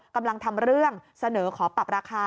กำลังทำเรื่องเสนอขอปรับราคา